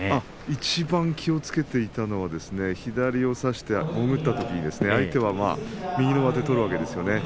いちばん気をつけていたのは、左を差して潜ったときに相手は右の上手を取るわけですよね。